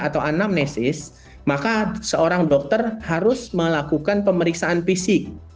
atau anamnesis maka seorang dokter harus melakukan pemeriksaan fisik